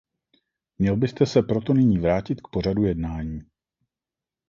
Měl byste se proto nyní vrátit k pořadu jednání.